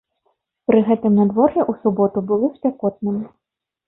Пры гэтым надвор'е ў суботу было спякотным.